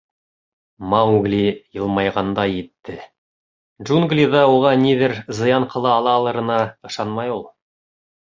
Маугли йылмайғандай итте: джунглиҙа уға ниҙер зыян ҡыла ала алырына ышанмай ул.